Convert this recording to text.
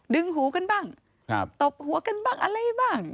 หูกันบ้างตบหัวกันบ้างอะไรบ้าง